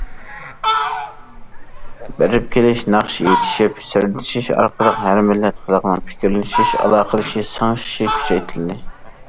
بېرىپ- كېلىش، ناخشا ئېيتىشىپ، سىردىشىش ئارقىلىق ھەر مىللەت خەلقنىڭ پىكىرلىشىشى، ئالاقىلىشىشى، سىڭىشىشى كۈچەيتىلدى.